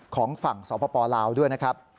ของฝั่งสปลาวด้วยนะครับ